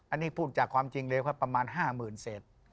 อันนี้พูดจากความจริงเลยครับประมาณ๕๐๐๐เศษ